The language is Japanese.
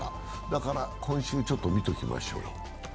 だから今週ちょっと見ておきましょう。